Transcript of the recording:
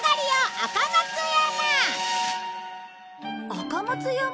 赤松山？